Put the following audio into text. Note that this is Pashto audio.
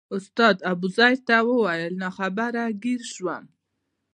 استاد ابوزید ته وویل ناخبره ګیر شوم.